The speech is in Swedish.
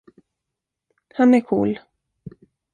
Han är cool.